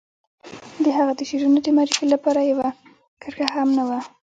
د هغه د شعرونو د معرفي لپاره يوه کرښه هم نه وه.